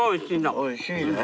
おいしいね。